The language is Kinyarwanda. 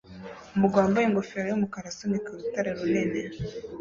Umugabo wambaye ingofero yumukara asunika urutare runini